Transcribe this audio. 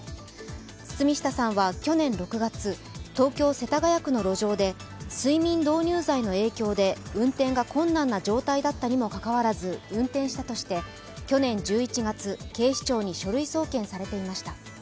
堤下さんは去年６月、東京・世田谷区の路上で睡眠導入剤の影響で運転が困難な状態だったにもかかわらず運転したとして去年１１月、警視庁に書類送検されていました。